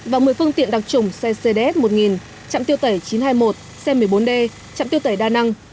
và một mươi phương tiện đặc trùng xe cds một nghìn chạm tiêu tẩy chín trăm hai mươi một xe một mươi bốn d chạm tiêu tẩy đa năng